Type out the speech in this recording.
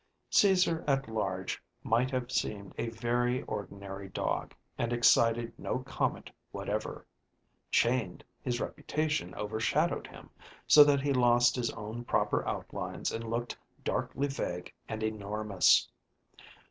Caesar at large might have seemed a very ordinary dog, and excited no comment whatever chained, his reputation overshadowed him, so that he lost his own proper outlines and looked darkly vague and enormous.